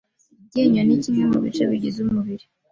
Iryinyo ni kimwe mu bice bigize umubiri